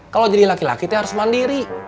kalo jadi laki laki tuh harus mandiri